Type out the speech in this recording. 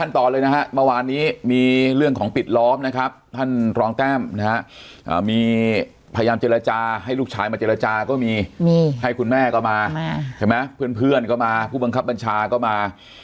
พยายามเจรจาให้ลูกชายมาเจรจาก็มีมีให้คุณแม่ก็มามาเห็นไหมเพื่อนเพื่อนก็มาผู้บังคับบัญชาก็มา